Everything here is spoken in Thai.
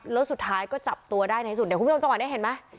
แล้วสุดท้ายก็จับตัวได้ในสุดเดี๋ยวคุณผู้ชมจังหวะนี้เห็นไหม